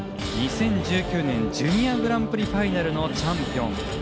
２０１９年ジュニアグランプリファイナルのチャンピオン。